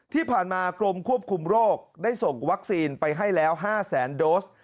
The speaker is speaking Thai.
ที่ผ่านมากรมควบคุมโรคได้ส่งวัคซีนไปให้แล้ว๕แสนโดส